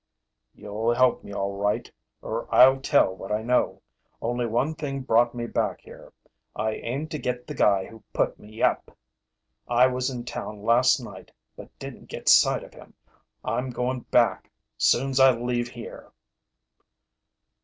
"You'll help me all right, or I'll tell what I know! Only one thing brought me back here. I aim to get the guy who put me up! I was in town last night but didn't get sight of him. I'm going back soon's I leave here."